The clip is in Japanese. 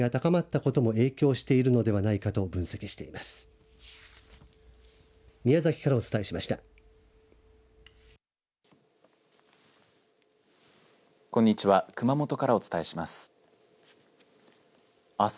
こんにちは熊本からお伝えします。